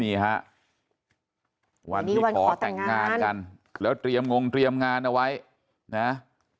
นี่ฮะวันที่ขอแต่งงานกันแล้วเตรียมงงเตรียมงานเอาไว้นะ